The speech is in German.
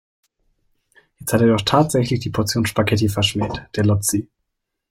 Jetzt hat er doch tatsächlich die Portion Spaghetti verschmäht, der Lotzi.